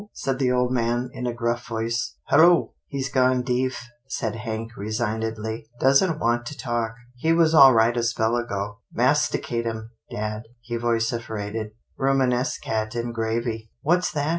" said the old man, in a gruff voice, " hello!" " He's gone deef," said Hank resignedly, " doesn't want to talk. He was all right a spell ago. Masticatum, dad," he vociferated, " rumines cat in gravy." "What's that.